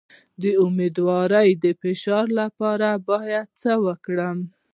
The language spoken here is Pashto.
د امیدوارۍ د فشار لپاره باید څه وکړم؟